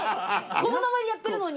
この名前でやってるのに！